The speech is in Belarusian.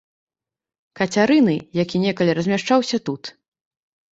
Кацярыны, які некалі размяшчаўся тут.